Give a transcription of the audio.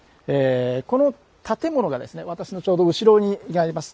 この建物が私のちょうど後ろにあります。